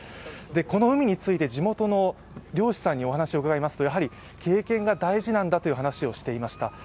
この海について地元の漁師さんにお話を伺うとやはり経験が大事なんだという話をしていました。